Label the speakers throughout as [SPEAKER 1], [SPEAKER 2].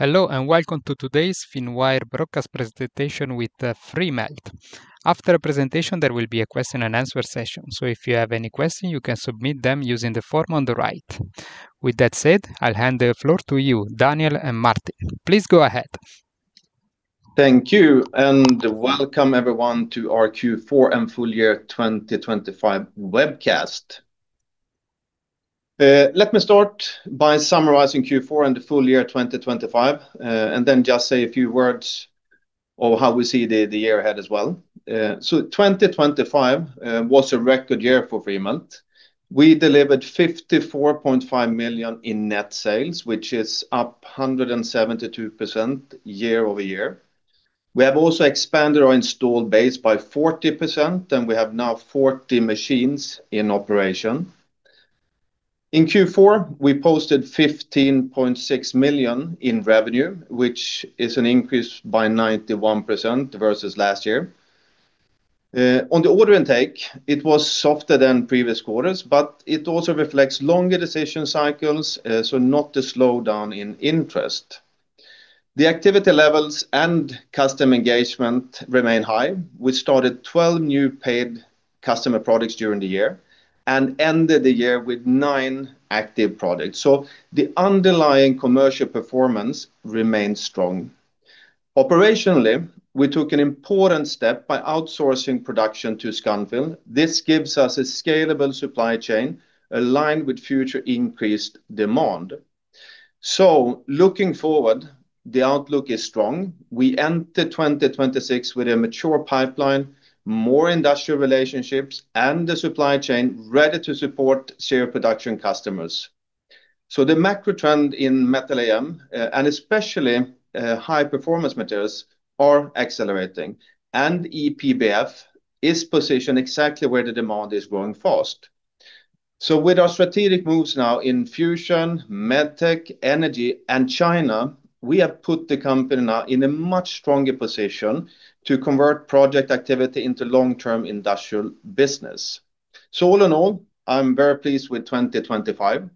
[SPEAKER 1] Hello, and welcome to today's Finwire Broadcast presentation with the Freemelt. After the presentation, there will be a question and answer session. So if you have any questions, you can submit them using the form on the right. With that said, I'll hand the floor to you, Daniel and Martin. Please go ahead.
[SPEAKER 2] Thank you, and welcome everyone to our Q4 and full year 2025 webcast. Let me start by summarizing Q4 and the full year 2025, and then just say a few words on how we see the year ahead as well. So 2025 was a record year for Freemelt. We delivered 54.5 million in net sales, which is up 172% year-over-year. We have also expanded our installed base by 40%, and we have now 40 machines in operation. In Q4, we posted 15.6 million in revenue, which is an increase by 91% versus last year. On the order intake, it was softer than previous quarters, but it also reflects longer decision cycles, so not a slowdown in interest. The activity levels and customer engagement remain high. We started 12 new paid customer projects during the year and ended the year with nine active products, so the underlying commercial performance remains strong. Operationally, we took an important step by outsourcing production to Scanfil. This gives us a scalable supply chain aligned with future increased demand. Looking forward, the outlook is strong. We enter 2026 with a mature pipeline, more industrial relationships, and the supply chain ready to support serial production customers. The macro trend in metal AM and especially high-performance materials are accelerating, and E-PBF is positioned exactly where the demand is growing fast. With our strategic moves now in fusion, medtech, energy, and China, we have put the company now in a much stronger position to convert project activity into long-term industrial business. So all in all, I'm very pleased with 2025,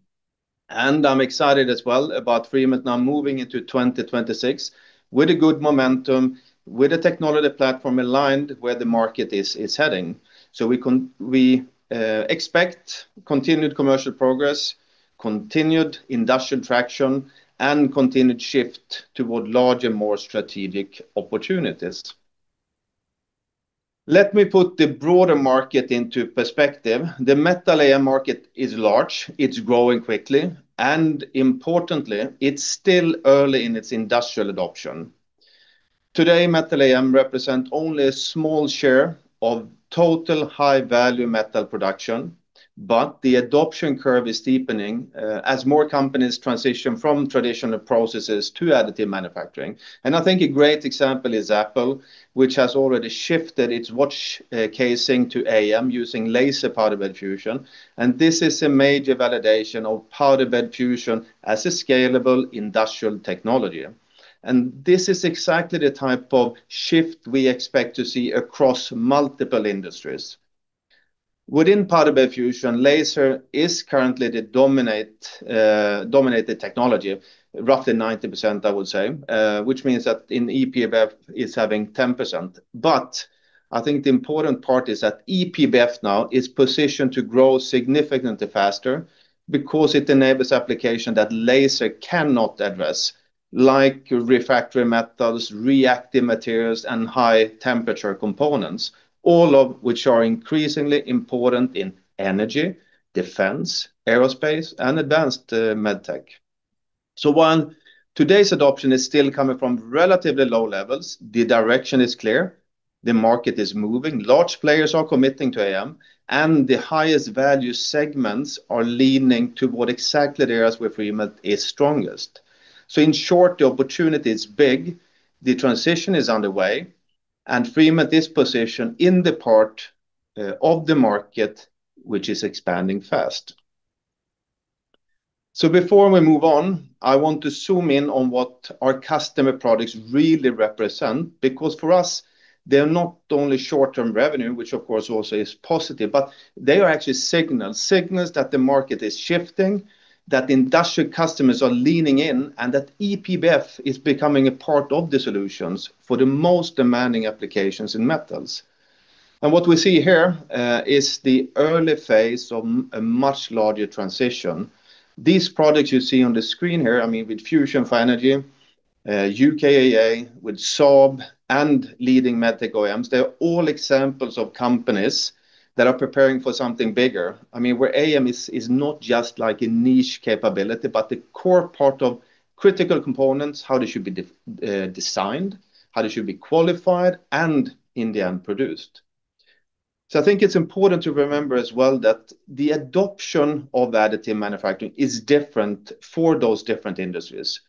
[SPEAKER 2] and I'm excited as well about Freemelt now moving into 2026 with a good momentum, with a technology platform aligned where the market is heading. So we expect continued commercial progress, continued industrial traction, and continued shift toward larger, more strategic opportunities. Let me put the broader market into perspective. The metal AM market is large, it's growing quickly, and importantly, it's still early in its industrial adoption. Today, metal AM represent only a small share of total high-value metal production, but the adoption curve is steepening as more companies transition from traditional processes to additive manufacturing. I think a great example is Apple, which has already shifted its watch casing to AM using laser powder bed fusion, and this is a major validation of powder bed fusion as a scalable industrial technology. This is exactly the type of shift we expect to see across multiple industries. Within powder bed fusion, laser is currently the dominated technology, roughly 90%, I would say, which means that in E-PBF is having 10%. But I think the important part is that E-PBF now is positioned to grow significantly faster because it enables application that laser cannot address, like refractory metals, reactive materials, and high-temperature components, all of which are increasingly important in energy, defense, aerospace, and advanced medtech. So while today's adoption is still coming from relatively low levels, the direction is clear, the market is moving, large players are committing to AM, and the highest value segments are leaning toward exactly the areas where Freemelt is strongest. So in short, the opportunity is big, the transition is underway, and Freemelt is positioned in the part of the market, which is expanding fast. So before we move on, I want to zoom in on what our customer projects really represent, because for us, they're not only short-term revenue, which of course, also is positive, but they are actually signals. Signals that the market is shifting, that industrial customers are leaning in, and that E-PBF is becoming a part of the solutions for the most demanding applications in metals. And what we see here is the early phase of a much larger transition. These products you see on the screen here, I mean, with Fusion for Energy, UKAEA, with Saab and leading medtech OEMs, they're all examples of companies that are preparing for something bigger. I mean, where AM is not just like a niche capability, but the core part of critical components, how they should be designed, how they should be qualified, and in the end, produced. So I think it's important to remember as well, that the adoption of additive manufacturing is different for those different industries.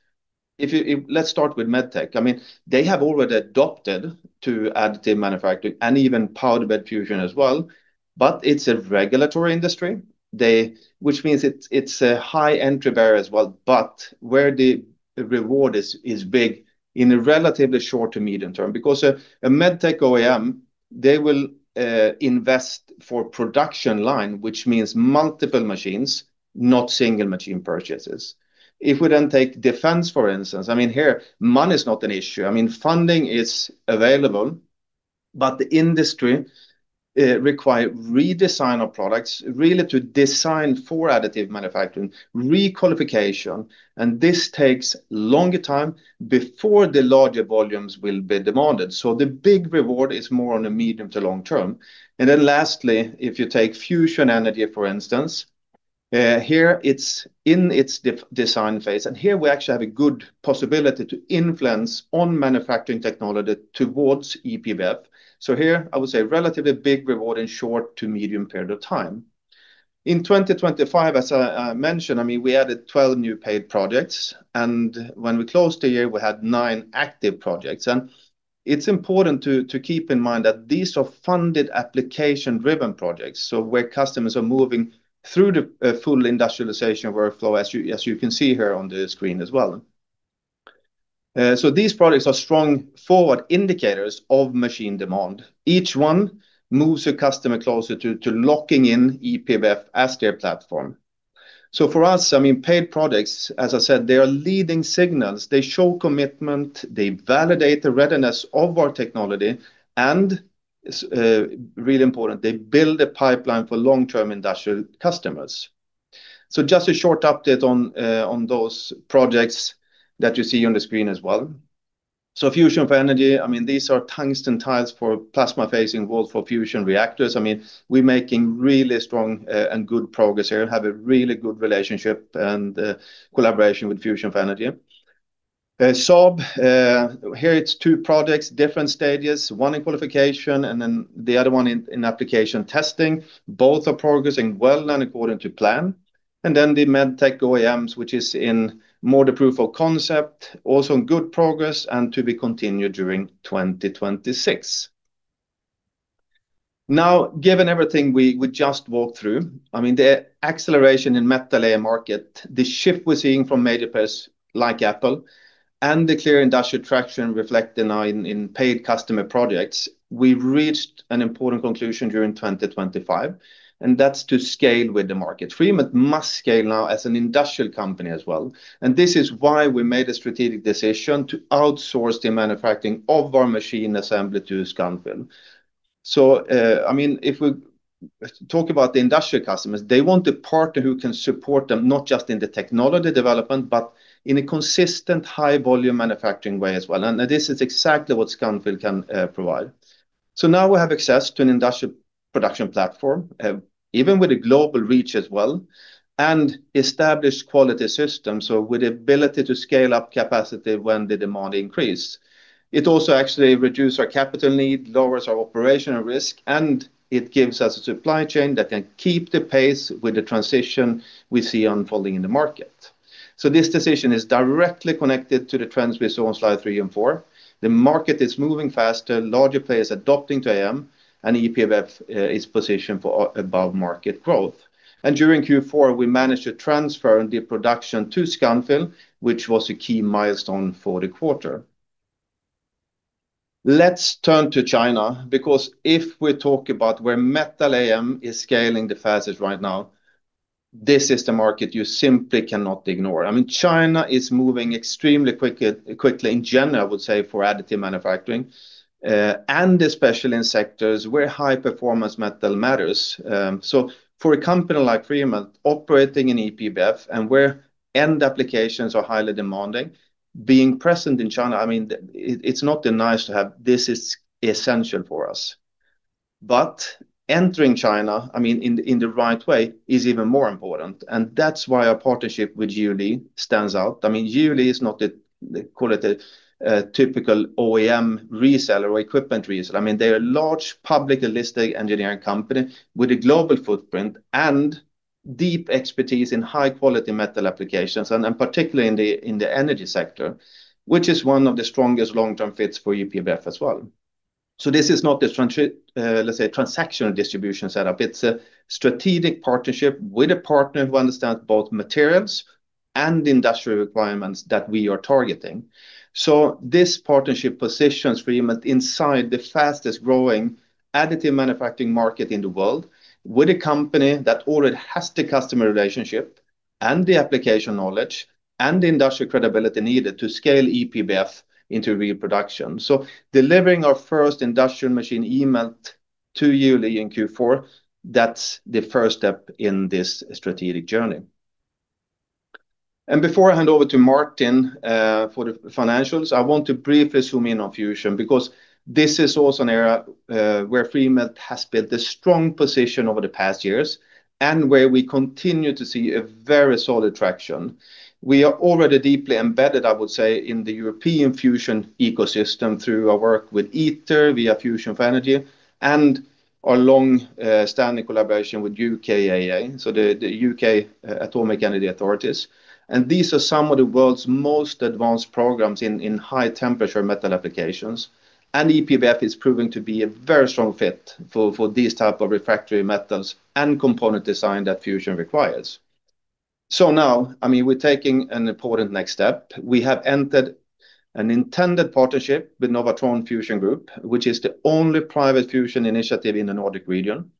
[SPEAKER 2] Let's start with medtech. I mean, they have already adopted to additive manufacturing and even powder bed fusion as well, but it's a regulatory industry. They. Which means it's a high entry barrier as well, but where the reward is big in a relatively short- to medium-term, because a medtech OEM, they will invest for production line, which means multiple machines, not single machine purchases. If we then take defense, for instance, I mean, here money is not an issue. I mean, funding is available, but the industry require redesign of products, really to design for additive manufacturing, requalification, and this takes longer time before the larger volumes will be demanded. So the big reward is more on a medium to long-term. And then lastly, if you take fusion energy, for instance, here it's in its design phase, and here we actually have a good possibility to influence on manufacturing technology towards E-PBF. So here I would say relatively big reward in short to medium period of time. In 2025, as I mentioned, I mean, we added 12 new paid projects, and when we closed the year, we had nine active projects. It's important to keep in mind that these are funded application-driven projects. So where customers are moving through the full industrialization workflow, as you can see here on the screen as well. So these products are strong forward indicators of machine demand. Each one moves a customer closer to locking in E-PBF as their platform. So for us, I mean, paid products, as I said, they are leading signals. They show commitment, they validate the readiness of our technology, and really important, they build a pipeline for long-term industrial customers. So just a short update on those projects that you see on the screen as well. So Fusion for Energy, I mean, these are tungsten tiles for plasma-facing walls for fusion reactors. I mean, we're making really strong and good progress here, and have a really good relationship and collaboration with Fusion for Energy. Saab, here it's two projects, different stages, one in qualification and then the other one in application testing. Both are progressing well and according to plan. And then the medtech OEMs, which is in more the proof of concept, also in good progress and to be continued during 2026. Now, given everything we just walked through, I mean, the acceleration in metal AM market, the shift we're seeing from major players like Apple and the clear industrial traction reflected now in paid customer projects, we've reached an important conclusion during 2025, and that's to scale with the market. Freemelt must scale now as an industrial company as well, and this is why we made a strategic decision to outsource the manufacturing of our machine assembly to Scanfil. So, I mean, if we talk about the industrial customers, they want a partner who can support them, not just in the technology development, but in a consistent, high volume manufacturing way as well. And this is exactly what Scanfil can provide. So now we have access to an industrial production platform, even with a global reach as well, and established quality system, so with the ability to scale up capacity when the demand increase. It also actually reduce our capital need, lowers our operational risk, and it gives us a supply chain that can keep the pace with the transition we see unfolding in the market. So this decision is directly connected to the trends we saw on slide three and four. The market is moving faster, larger players adopting to AM, and E-PBF is positioned for above market growth. And during Q4, we managed to transfer the production to Scanfil, which was a key milestone for the quarter. Let's turn to China, because if we talk about where metal AM is scaling the fastest right now, this is the market you simply cannot ignore. I mean, China is moving extremely quickly, quickly in general, I would say, for additive manufacturing, and especially in sectors where high-performance metal matters. So for a company like Freemelt, operating in E-PBF and where end applications are highly demanding, being present in China, I mean, it, it's not a nice to have. This is essential for us. But entering China, I mean, in the, in the right way, is even more important, and that's why our partnership with Jiuli stands out. I mean, Jiuli is not a, call it a, a typical OEM reseller or equipment reseller. I mean, they're a large, publicly listed engineering company with a global footprint and deep expertise in high-quality metal applications, and, and particularly in the, in the energy sector, which is one of the strongest long-term fits for E-PBF as well. So this is not a transactional distribution setup. It's a strategic partnership with a partner who understands both materials and industrial requirements that we are targeting. So this partnership positions Freemelt inside the fastest-growing additive manufacturing market in the world, with a company that already has the customer relationship and the application knowledge and the industrial credibility needed to scale E-PBF into real production. So delivering our first industrial machine eMELT to Jiuli in Q4, that's the first step in this strategic journey. And before I hand over to Martin for the financials, I want to briefly zoom in on Fusion, because this is also an area where Freemelt has built a strong position over the past years and where we continue to see a very solid traction. We are already deeply embedded, I would say, in the European Fusion ecosystem through our work with ITER, via Fusion for Energy, and our long-standing collaboration with UKAEA, so the UK Atomic Energy Authority. These are some of the world's most advanced programs in high-temperature metal applications, and E-PBF is proving to be a very strong fit for these type of refractory metals and component design that Fusion requires. So now, I mean, we're taking an important next step. We have entered an intended partnership with Novatron Fusion Group, which is the only private fusion initiative in the Nordic region.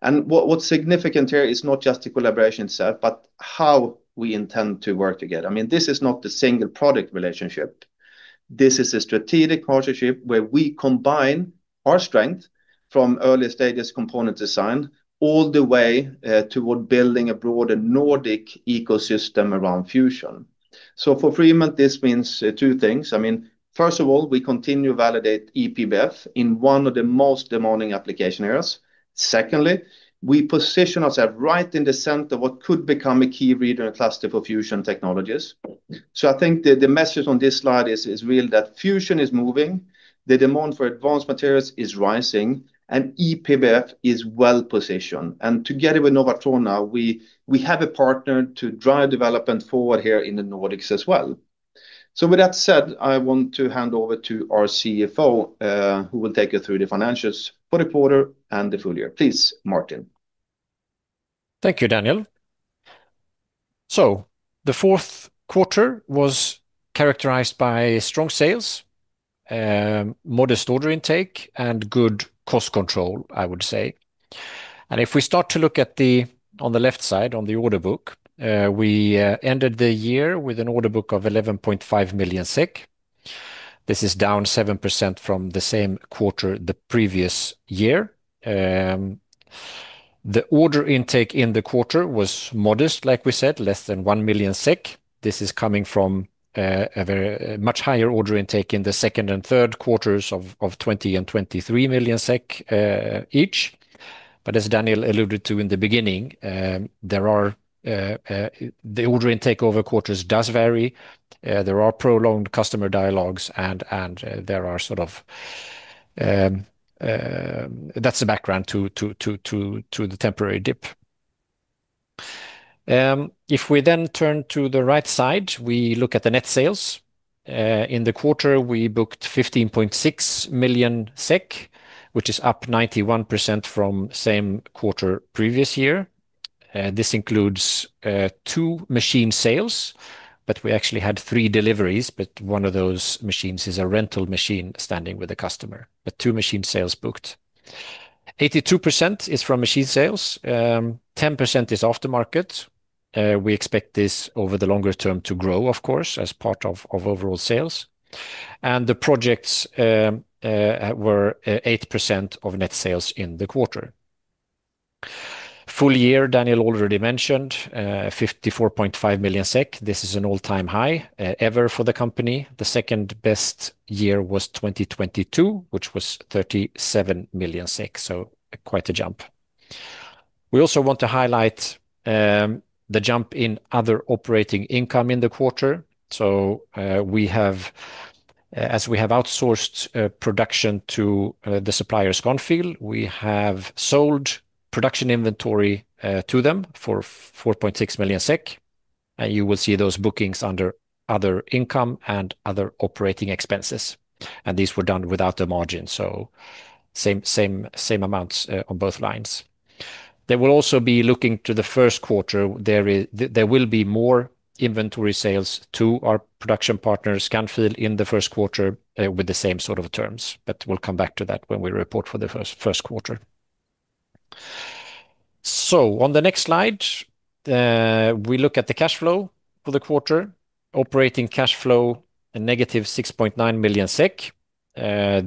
[SPEAKER 2] And what's significant here is not just the collaboration itself, but how we intend to work together. I mean, this is not the single product relationship. This is a strategic partnership where we combine our strength from early stages component design, all the way toward building a broader Nordic ecosystem around fusion. So for Freemelt, this means two things. I mean, first of all, we continue to validate E-PBF in one of the most demanding application areas. Secondly, we position ourselves right in the center of what could become a key leader and cluster for fusion technologies. So I think the message on this slide is really that fusion is moving, the demand for advanced materials is rising, and E-PBF is well-positioned. And together with Novatron now, we have a partner to drive development forward here in the Nordics as well. So with that said, I want to hand over to our CFO, who will take you through the financials for the quarter and the full year. Please, Martin.
[SPEAKER 3] Thank you, Daniel. The fourth quarter was characterized by strong sales, modest order intake, and good cost control, I would say. If we start to look at the, on the left side, on the order book, we ended the year with an order book of 11.5 million SEK. This is down 7% from the same quarter the previous year. The order intake in the quarter was modest, like we said, less than 1 million SEK. This is coming from a very much higher order intake in the second and third quarters of 20 million and 23 million SEK each. But as Daniel alluded to in the beginning, the order intake over quarters does vary. There are prolonged customer dialogues, and there are sort of that's the background to the temporary dip. If we then turn to the right side, we look at the net sales. In the quarter, we booked 15.6 million SEK, which is up 91% from same quarter previous year. This includes two machine sales, but we actually had three deliveries, but one of those machines is a rental machine standing with a customer, but two machine sales booked. 82% is from machine sales, 10% is off the market. We expect this over the longer term to grow, of course, as part of overall sales. And the projects were 8% of net sales in the quarter. Full year, Daniel already mentioned, 54.5 million SEK. This is an all-time high, ever for the company. The second best year was 2022, which was 37 million, so quite a jump. We also want to highlight the jump in other operating income in the quarter. So, we have, as we have outsourced production to the supplier, Scanfil, we have sold production inventory to them for 4.6 million SEK, and you will see those bookings under other income and other operating expenses, and these were done without the margin, so same, same, same amounts on both lines. They will also be looking to the first quarter. There will be more inventory sales to our production partner, Scanfil, in the first quarter with the same sort of terms, but we'll come back to that when we report for the first quarter. So on the next slide, we look at the cash flow for the quarter. Operating cash flow, a -6.9 million SEK.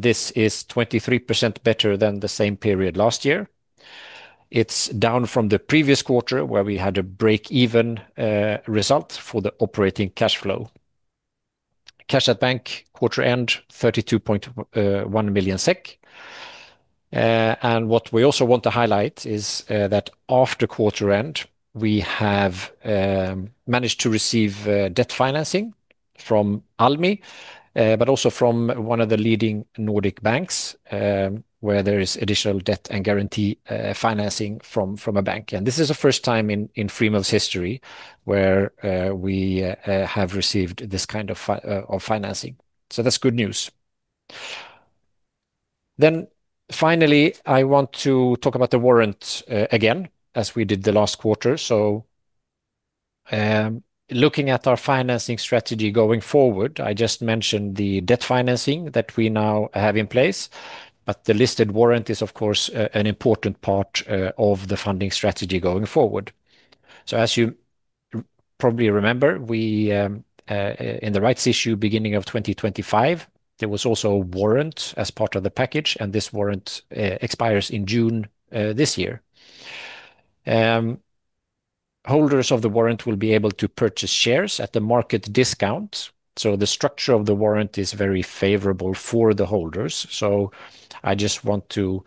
[SPEAKER 3] This is 23% better than the same period last year. It's down from the previous quarter, where we had a break-even result for the operating cash flow. Cash at bank, quarter end, 32.1 million SEK. And what we also want to highlight is that after quarter end, we have managed to receive debt financing from Almi, but also from one of the leading Nordic banks, where there is additional debt and guarantee financing from a bank. And this is the first time in Freemelt's history where we have received this kind of financing. So that's good news. Then finally, I want to talk about the warrant, again, as we did the last quarter. So, looking at our financing strategy going forward, I just mentioned the debt financing that we now have in place, but the listed warrant is, of course, an important part, of the funding strategy going forward. So as you probably remember, we, in the rights issue, beginning of 2025, there was also a warrant as part of the package, and this warrant, expires in June, this year. Holders of the warrant will be able to purchase shares at the market discount, so the structure of the warrant is very favorable for the holders. So I just want to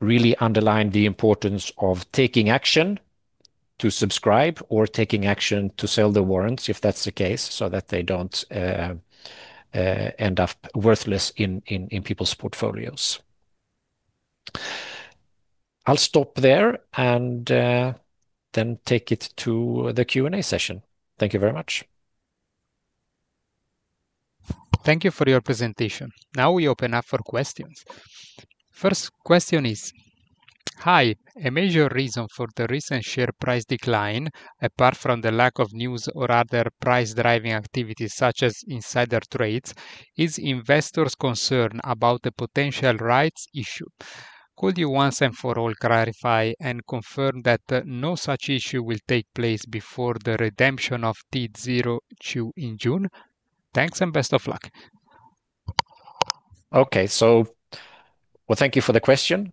[SPEAKER 3] really underline the importance of taking action to subscribe or taking action to sell the warrants, if that's the case, so that they don't end up worthless in people's portfolios. I'll stop there and then take it to the Q&A session. Thank you very much.
[SPEAKER 1] Thank you for your presentation. Now we open up for questions. First question is, hi, a major reason for the recent share price decline, apart from the lack of news or other price-driving activities, such as insider trades, is investors' concern about the potential rights issue. Could you once and for all clarify and confirm that no such issue will take place before the redemption of TO 2 in June? Thanks and best of luck.
[SPEAKER 3] Okay. So, well, thank you for the question.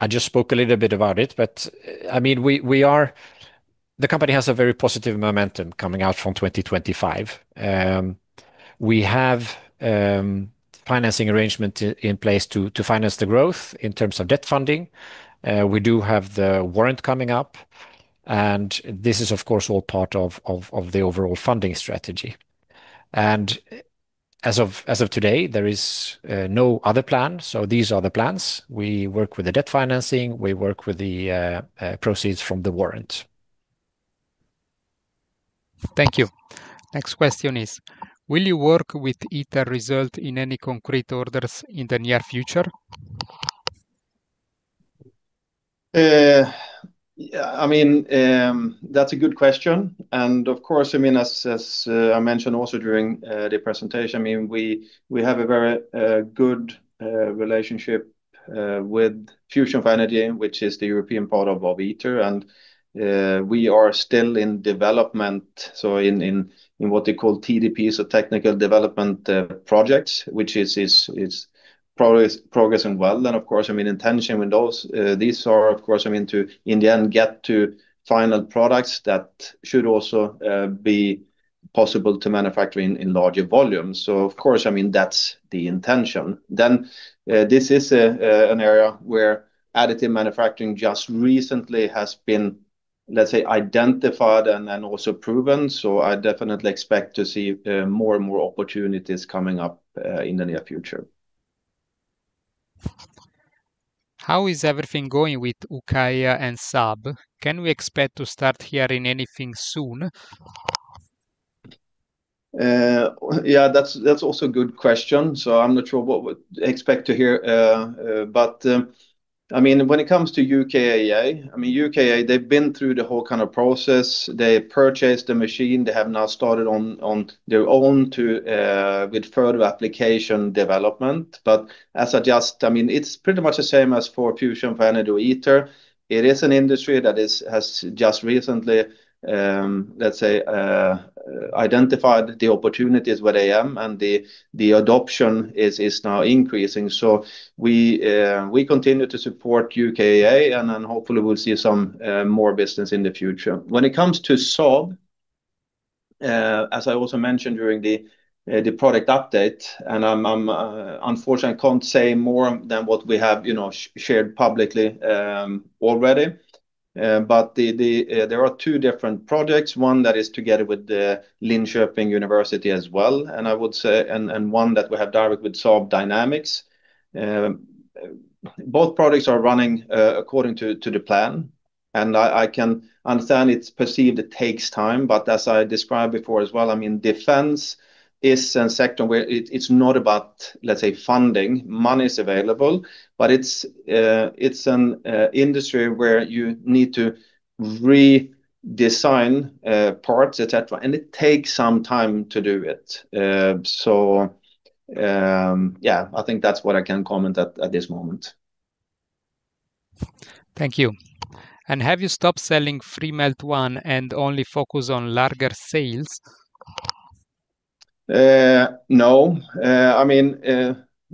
[SPEAKER 3] I just spoke a little bit about it, but, I mean, we are the company has a very positive momentum coming out from 2025. We have financing arrangement in place to finance the growth in terms of debt funding. We do have the warrant coming up, and this is, of course, all part of the overall funding strategy. And as of today, there is no other plan, so these are the plans. We work with the debt financing, we work with the proceeds from the warrant.
[SPEAKER 1] Thank you. Next question is, will your work with ITER result in any concrete orders in the near future?
[SPEAKER 2] Yeah, I mean, that's a good question, and of course, I mean, as, as, I mentioned also during the presentation, I mean, we have a very good relationship with Fusion for Energy, which is the European part of ITER, and we are still in development, so in what they call TDPs, so Technical Development Projects, which is progressing well. And of course, I mean, intention with those, these are, of course, I mean, to in the end, get to final products that should also be possible to manufacture in larger volumes. So of course, I mean, that's the intention. Then, this is an area where additive manufacturing just recently has been, let's say, identified and also proven. So I definitely expect to see more and more opportunities coming up in the near future.
[SPEAKER 1] How is everything going with UKAEA and Saab? Can we expect to start hearing anything soon?
[SPEAKER 2] Yeah, that's also a good question. So I'm not sure what we expect to hear. But I mean, when it comes to UKAEA, I mean, UKAEA, they've been through the whole kind of process. They purchased the machine. They have now started on their own to with further application development. But as I just I mean, it's pretty much the same as for Fusion for Energy or ITER. It is an industry that is has just recently, let's say, identified the opportunities where they are, and the adoption is now increasing. So we continue to support UKAEA, and then hopefully we'll see some more business in the future. When it comes to Saab, as I also mentioned during the product update, and I unfortunately can't say more than what we have, you know, shared publicly already. But there are two different projects, one that is together with the Linköping University as well, and I would say, and one that we have direct with Saab Dynamics. Both projects are running according to the plan, and I can understand it's perceived it takes time, but as I described before as well, I mean, defense is a sector where it, it's not about, let's say, funding. Money is available, but it's an industry where you need to redesign parts, et cetera, and it takes some time to do it. So, yeah, I think that's what I can comment at this moment.
[SPEAKER 1] Thank you. Have you stopped selling Freemelt ONE and only focus on larger sales?
[SPEAKER 2] No. I mean,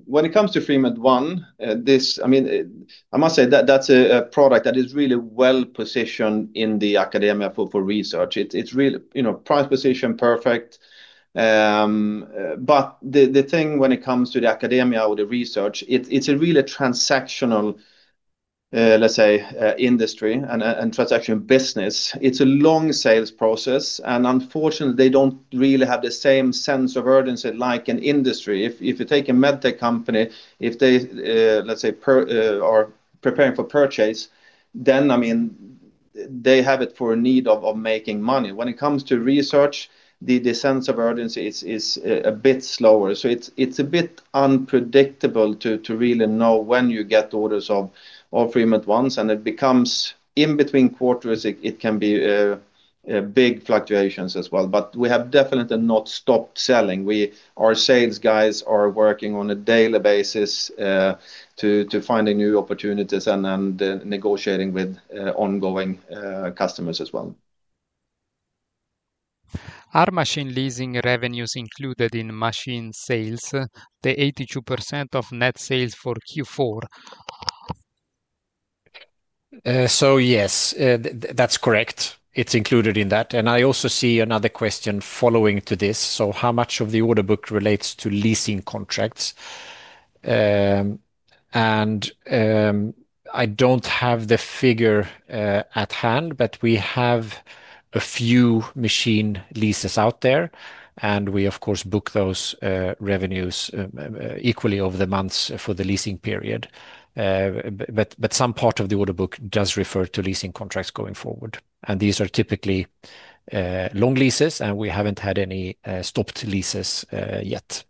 [SPEAKER 2] when it comes to Freemelt ONE, this, I mean, I must say that that's a product that is really well-positioned in the academia for research. It's really, you know, price position perfect. But the thing when it comes to the academia or the research, it's a really transactional, let's say, industry and transaction business. It's a long sales process, and unfortunately, they don't really have the same sense of urgency like in industry. If you take a medtech company, if they, let's say, are preparing for purchase, then, I mean, they have it for a need of making money. When it comes to research, the sense of urgency is a bit slower. So it's a bit unpredictable to really know when you get orders of Freemelt ONE, and it becomes in between quarters. It can be big fluctuations as well. But we have definitely not stopped selling. Our sales guys are working on a daily basis to finding new opportunities and negotiating with ongoing customers as well.
[SPEAKER 1] Are machine leasing revenues included in machine sales, the 82% of net sales for Q4?
[SPEAKER 3] So yes, that's correct. It's included in that. And I also see another question following to this. So how much of the order book relates to leasing contracts? And I don't have the figure at hand, but we have a few machine leases out there, and we, of course, book those revenues equally over the months for the leasing period. But some part of the order book does refer to leasing contracts going forward, and these are typically long leases, and we haven't had any stopped leases yet.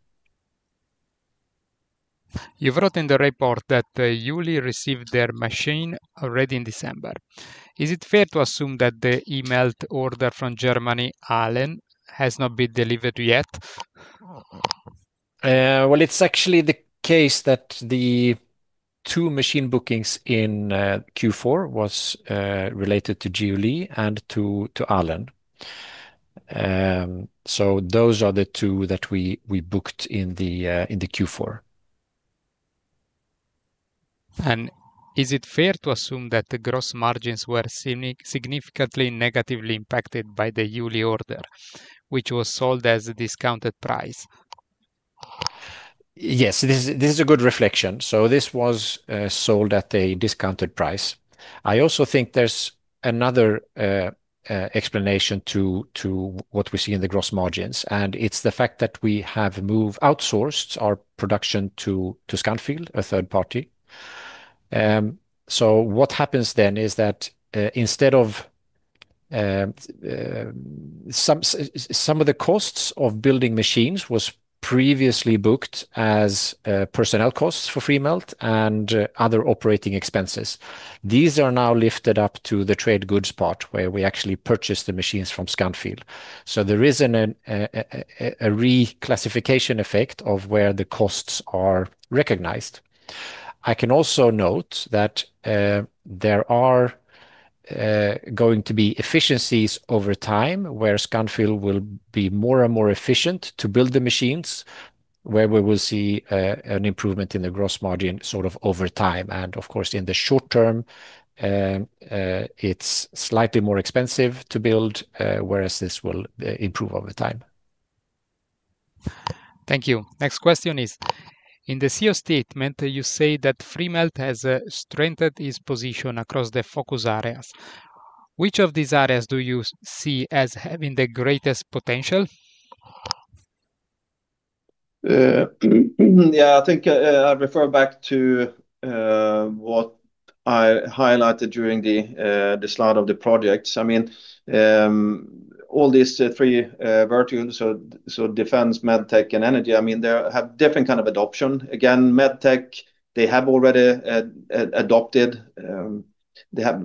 [SPEAKER 1] You've written in the report that, Jiuli received their machine already in December. Is it fair to assume that the eMELT order from Germany, Aalen, has not been delivered yet?
[SPEAKER 3] Well, it's actually the case that the two machine bookings in Q4 was related to Jiuli and to Aalen. So those are the two that we, we booked in the Q4.
[SPEAKER 1] Is it fair to assume that the gross margins were significantly negatively impacted by the Jiuli order, which was sold as a discounted price?
[SPEAKER 3] Yes, this is, this is a good reflection. So this was sold at a discounted price. I also think there's another explanation to what we see in the gross margins, and it's the fact that we have outsourced our production to Scanfil, a third party. So what happens then is that instead of some of the costs of building machines was previously booked as personnel costs for Freemelt and other operating expenses. These are now lifted up to the trade goods part, where we actually purchase the machines from Scanfil. So there is a reclassification effect of where the costs are recognized. I can also note that there are going to be efficiencies over time, where Scanfil will be more and more efficient to build the machines, where we will see an improvement in the gross margin sort of over time. And of course, in the short term, it's slightly more expensive to build, whereas this will improve over time.
[SPEAKER 1] Thank you. Next question is, in the CEO statement, you say that Freemelt has strengthened its position across the focus areas. Which of these areas do you see as having the greatest potential?
[SPEAKER 2] Yeah, I think I refer back to what I highlighted during the slide of the projects. I mean, all these three virtues, so defense, medtech, and energy, I mean, they have different kind of adoption. Again, medtech, they have already adopted.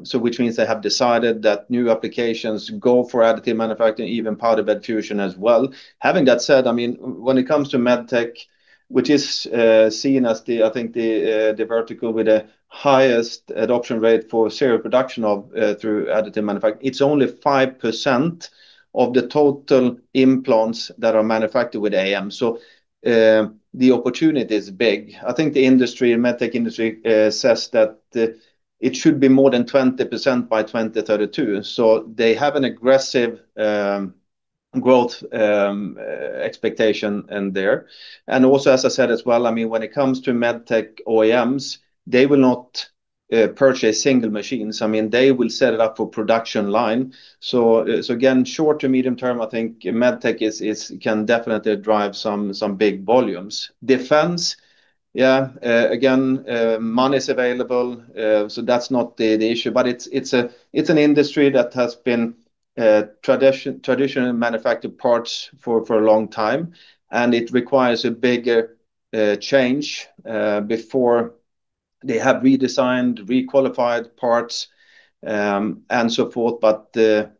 [SPEAKER 2] So which means they have decided that new applications go for additive manufacturing, even powder bed fusion as well. Having that said, I mean, when it comes to medtech, which is seen as the, I think, the vertical with the highest adoption rate for serial production through additive manufacturing, it's only 5% of the total implants that are manufactured with AM. So, the opportunity is big. I think the industry, medtech industry, says that it should be more than 20% by 2032. So they have an aggressive growth expectation in there. And also, as I said as well, I mean, when it comes to medtech OEMs, they will not purchase single machines. I mean, they will set it up for production line. So again, short to medium term, I think medtech is can definitely drive some big volumes. Defense, again, money is available, so that's not the issue. But it's a, it's an industry that has been traditionally manufactured parts for a long time, and it requires a bigger change before they have redesigned, requalified parts, and so forth. But,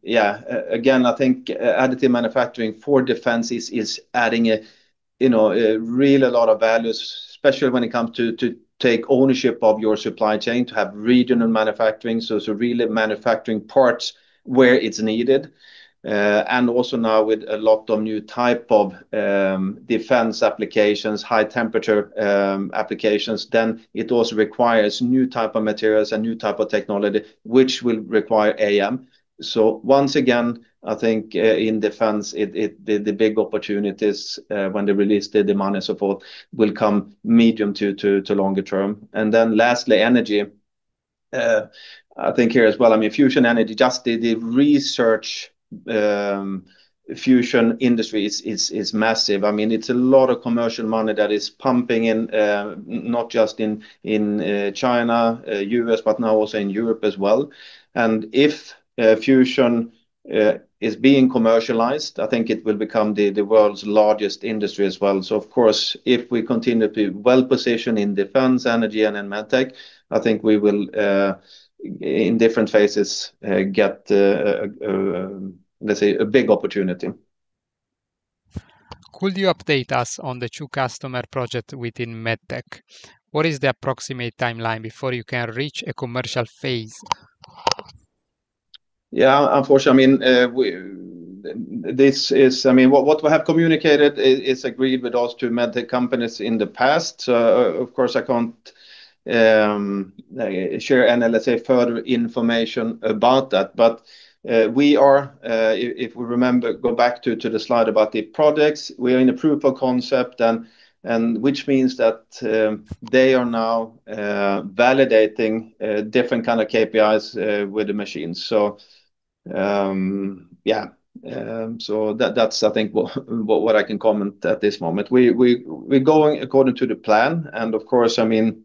[SPEAKER 2] yeah, again, I think additive manufacturing for defense is adding, you know, really a lot of values, especially when it comes to take ownership of your supply chain, to have regional manufacturing. So, really manufacturing parts where it's needed. And also now with a lot of new type of defense applications, high temperature applications, then it also requires new type of materials and new type of technology, which will require AM. So once again, I think in defense, it, the big opportunities when they release the demand and so forth, will come medium to longer term. And then lastly, energy. I think here as well, I mean, fusion energy, just the research fusion industry is massive. I mean, it's a lot of commercial money that is pumping in, not just in China, U.S., but now also in Europe as well. And if fusion is being commercialized, I think it will become the world's largest industry as well. So of course, if we continue to be well-positioned in defense, energy, and in medtech, I think we will, in different phases, get, let's say, a big opportunity.
[SPEAKER 1] Could you update us on the two customer projects within medtech? What is the approximate timeline before you can reach a commercial phase?
[SPEAKER 2] Yeah, unfortunately, I mean, we, this is, I mean, what we have communicated is agreed with those two medtech companies in the past. Of course, I can't share any, let's say, further information about that. But we are, if we remember, go back to the slide about the products, we are in a proof of concept, and which means that they are now validating different kind of KPIs with the machines. So, yeah, so that that's, I think, what I can comment at this moment. We're going according to the plan, and of course, I mean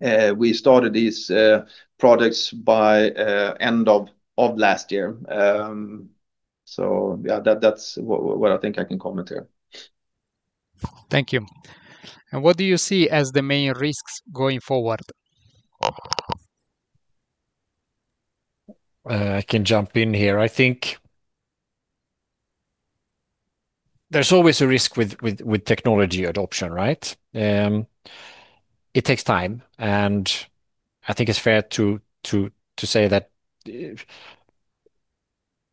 [SPEAKER 2] we started these products by end of last year. So, yeah, that's what I think I can comment here.
[SPEAKER 1] Thank you. What do you see as the main risks going forward?
[SPEAKER 3] I can jump in here. I think there's always a risk with technology adoption, right? It takes time, and I think it's fair to say that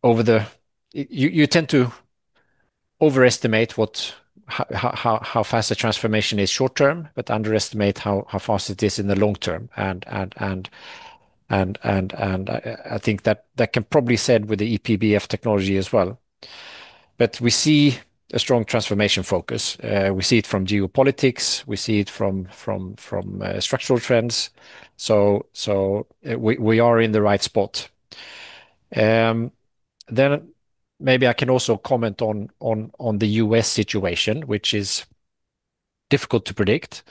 [SPEAKER 3] over the, you tend to overestimate what, how fast the transformation is short term, but underestimate how fast it is in the long term. I think that that can probably said with the E-PBF technology as well. But we see a strong transformation focus. We see it from geopolitics, we see it from structural trends. So we are in the right spot. Then maybe I can also comment on the U.S. situation, which is difficult to predict.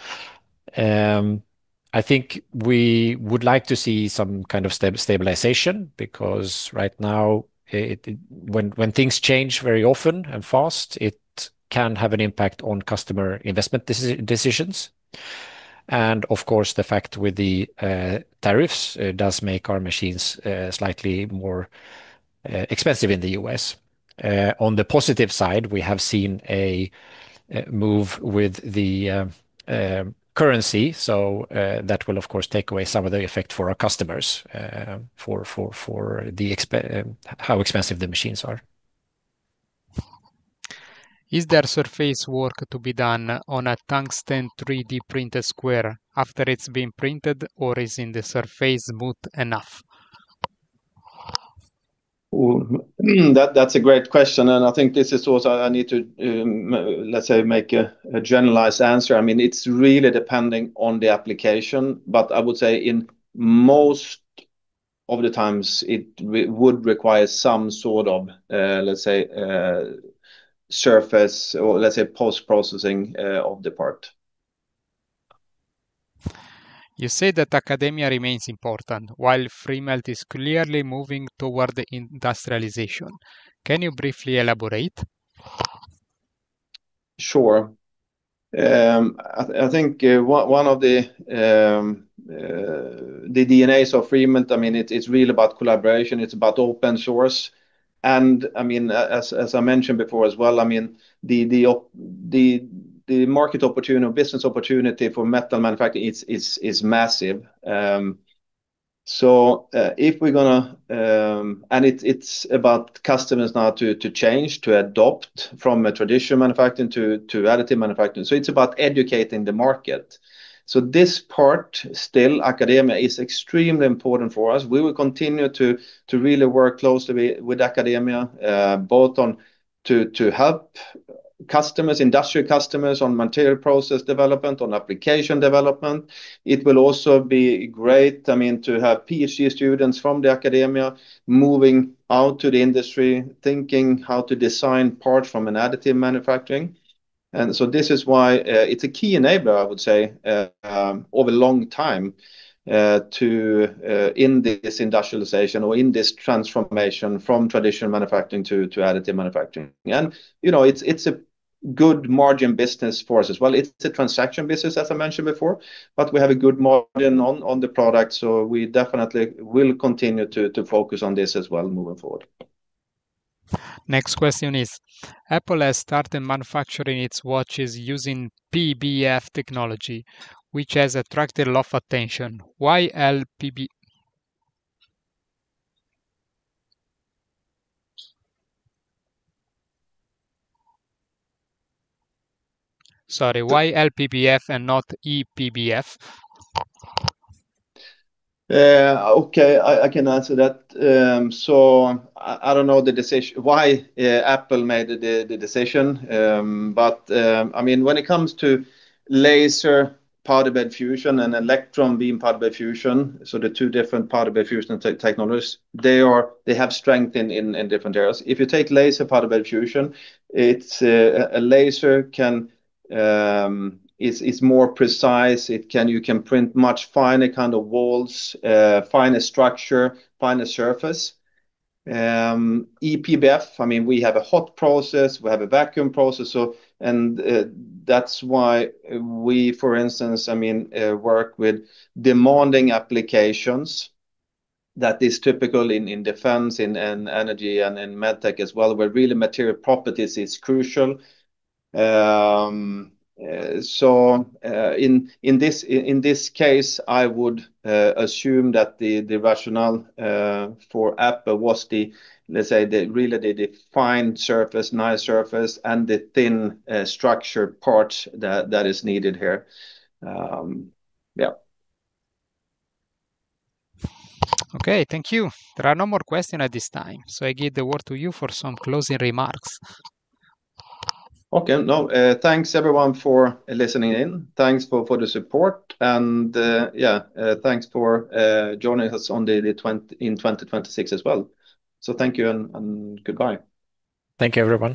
[SPEAKER 3] I think we would like to see some kind of stabilization, because right now, when things change very often and fast, it can have an impact on customer investment decisions. And of course, the fact with the tariffs, it does make our machines slightly more expensive in the U.S. On the positive side, we have seen a move with the currency, so that will of course take away some of the effect for our customers, for how expensive the machines are.
[SPEAKER 1] Is there surface work to be done on a tungsten 3D printed square after it's been printed, or is the surface smooth enough?
[SPEAKER 2] Well, that's a great question, and I think this is also I need to, let's say, make a generalized answer. I mean, it's really depending on the application, but I would say in most of the times it would require some sort of, let's say, surface or, let's say, post-processing, of the part.
[SPEAKER 1] You say that academia remains important, while Freemelt is clearly moving toward the industrialization. Can you briefly elaborate?
[SPEAKER 2] Sure. I think one of the DNAs of Freemelt, I mean, it's really about collaboration, it's about open source. And I mean, as I mentioned before as well, I mean, the market opportunity or business opportunity for metal manufacturing, it's massive. So, if we're gonna, and it's about customers now to change, to adopt from a traditional manufacturing to additive manufacturing. So it's about educating the market. So this part, still, academia is extremely important for us. We will continue to really work closely with academia, both to help customers, industrial customers on material process development, on application development. It will also be great, I mean, to have Ph.D. students from the academia moving out to the industry, thinking how to design parts from an additive manufacturing. And so this is why, it's a key enabler, I would say, over long time, to, in this industrialization or in this transformation from traditional manufacturing to, to additive manufacturing. And, you know, it's, it's a good margin business for us as well. It's a transaction business, as I mentioned before, but we have a good margin on, on the product, so we definitely will continue to, to focus on this as well moving forward.
[SPEAKER 1] Next question is: Apple has started manufacturing its watches using PBF technology, which has attracted a lot of attention. Why? Sorry, why L-PBF and not E-PBF?
[SPEAKER 2] Okay, I can answer that. So I don't know why Apple made the decision. But I mean, when it comes to laser powder bed fusion and electron beam powder bed fusion, so the two different powder bed fusion technologies, they have strength in different areas. If you take laser powder bed fusion, it's a laser can is more precise. It can. You can print much finer kind of walls, finer structure, finer surface. E-PBF, I mean, we have a hot process, we have a vacuum process, so and that's why we, for instance, I mean, work with demanding applications that is typical in defense, in energy, and in medtech as well, where really material properties is crucial. So, in this case, I would assume that the rationale for Apple was, let's say, really the defined surface, nice surface, and the thin structured part that is needed here. Yeah.
[SPEAKER 1] Okay, thank you. There are no more questions at this time, so I give the word to you for some closing remarks.
[SPEAKER 2] Okay. No, thanks everyone for listening in. Thanks for the support and yeah, thanks for joining us in 2026 as well. So thank you and goodbye.
[SPEAKER 1] Thank you, everyone.